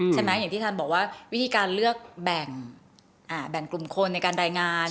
อย่างที่ท่านบอกว่าวิธีการเลือกแบ่งกลุ่มคนในการรายงาน